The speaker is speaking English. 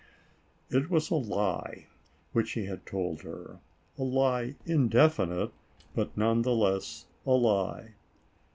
It was a lie which he had told her, a lie indefinite, but none the less a lie.